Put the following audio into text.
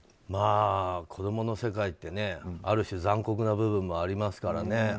まあ子供の世界ってある種残酷な部分もありますからね。